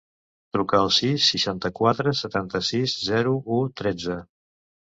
Truca al sis, seixanta-quatre, setanta-sis, zero, u, tretze.